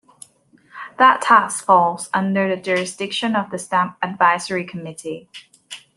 That task falls under the jurisdiction of the Stamp Advisory Committee.